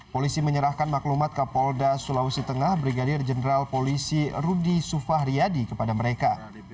polisi menyerahkan maklumat kapolda sulawesi tengah brigadir jenderal polisi rudi sufahriyadi kepada mereka